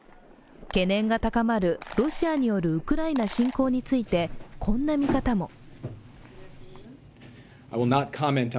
懸念が高まるロシアによるウクライナ侵攻についてこんな見方も。